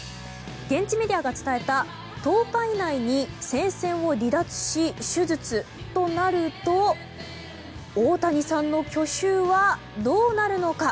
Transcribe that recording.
現地メディアが伝えた１０日以内に戦線を離脱し手術となると大谷さんの去就はどうなるのか。